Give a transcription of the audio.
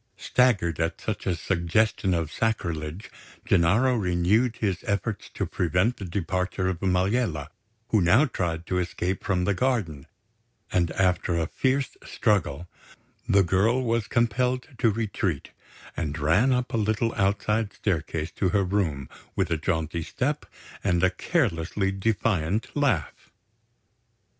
Staggered at such a suggestion of sacrilege, Gennaro renewed his efforts to prevent the departure of Maliella, who now tried to escape from the garden; and after a fierce struggle, the girl was compelled to retreat, and ran up a little outside staircase to her room with a jaunty step and a carelessly defiant laugh.